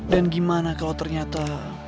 dan gimana kalau ternyata